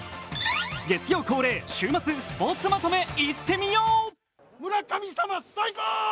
月曜恒例、週末スポーツまとめ、いってみよう！